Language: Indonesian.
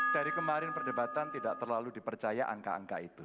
dari kemarin perdebatan tidak terlalu dipercaya angka angka itu